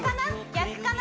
逆かな？